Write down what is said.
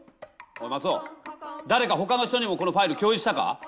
マツオだれかほかの人にもこのファイル共有したか？